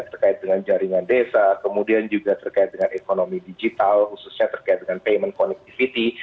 terkait dengan jaringan desa kemudian juga terkait dengan ekonomi digital khususnya terkait dengan payment connectivity